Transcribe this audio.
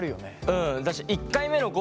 うん。